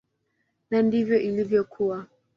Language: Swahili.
Na ndivyo ilivyokuwa.